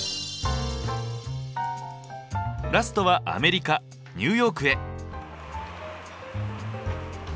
ラストはアメリカニューヨークへ。